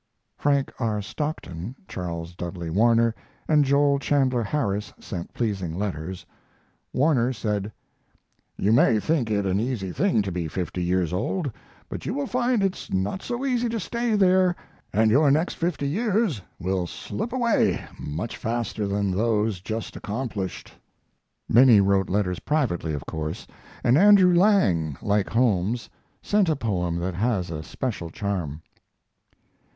Frank R. Stockton, Charles Dudley Warner, and Joel Chandler Harris sent pleasing letters. Warner said: You may think it an easy thing to be fifty years old, but you will find it's not so easy to stay there, and your next fifty years will slip away much faster than those just accomplished. Many wrote letters privately, of course, and Andrew Lang, like Holmes, sent a poem that has a special charm.